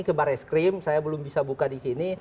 ini ke bar es krim saya belum bisa buka disini